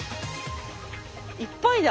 いっぱいだ！